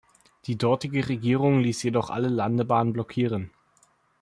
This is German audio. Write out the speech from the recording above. Die dortige Regierung ließ jedoch alle Landebahnen blockieren.